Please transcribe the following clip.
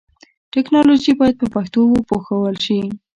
ټکنالوژي باید په پښتو وپوهول شي.